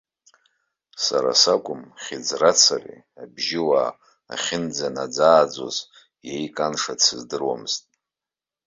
Сара сакәым, хьыӡрацареи абжьыуаа ахьынӡанаӡа-ааӡоз иеиканша дсыздыруамызт.